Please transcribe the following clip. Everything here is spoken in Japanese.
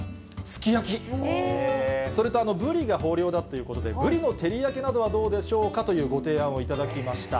すき焼き、それとブリが豊漁だということで、ブリの照り焼きなどはどうでしょうかというご提案をいただきました。